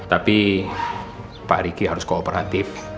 tapi pak riki harus kooperatif